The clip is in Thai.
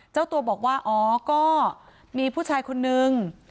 เจ้าตัวบอกว่าอ๋อก็มีผู้ชายคนนึง